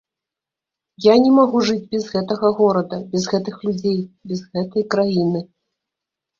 Я не магу жыць без гэтага горада, без гэтых людзей, без гэтай краіны.